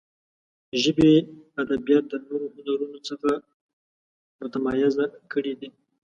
ژبې ادبیات د نورو هنرونو څخه متمایزه کړي دي.